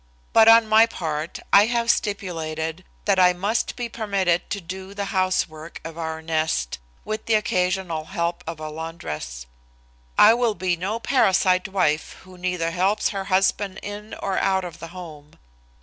But on my part I have stipulated that I must be permitted to do the housework of our nest, with the occasional help of a laundress. I will be no parasite wife who neither helps her husband in or out of the home.